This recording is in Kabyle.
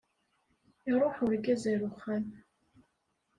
Iruḥ urgaz ar uxxam.